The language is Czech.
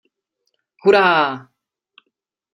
Hurá!